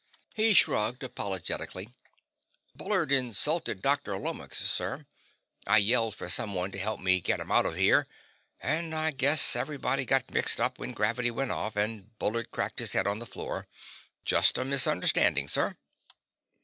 He shrugged apologetically. "Bullard insulted Dr. Lomax, sir. I yelled for someone to help me get him out of here, and I guess everybody got all mixed up when gravity went off, and Bullard cracked his head on the floor. Just a misunderstanding, sir."